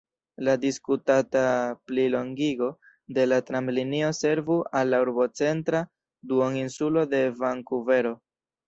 La diskutata plilongigo de la tramlinio servu al la urbocentra duon-insulo de Vankuvero.